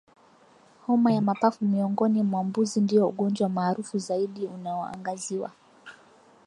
Homa ya mapafu miongoni mwa mbuzi ndio ugonjwa maarufu zaidi unaoangaziwa